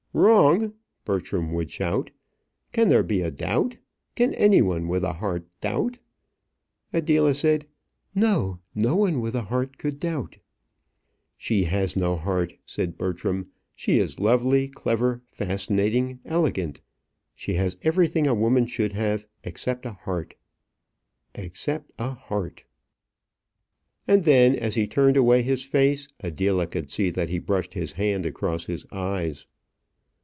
"Wrong!" Bertram would shout. "Can there be a doubt? Can any one with a heart doubt?" Adela said, "No; no one with a heart could doubt." "She has no heart," said Bertram. "She is lovely, clever, fascinating, elegant. She has everything a woman should have except a heart except a heart." And then, as he turned away his face, Adela could see that he brushed his hand across his eyes.